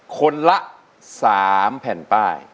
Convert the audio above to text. คนละ๓แผ่นป้าย